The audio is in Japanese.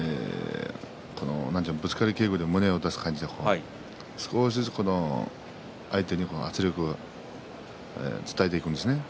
ぶつかり稽古で胸を出すような形で少しずつ相手に圧力を伝えていくんですね。